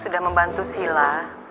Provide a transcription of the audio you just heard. sudah membantu sila